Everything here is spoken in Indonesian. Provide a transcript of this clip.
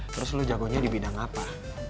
terus lo jagonya di bidang apa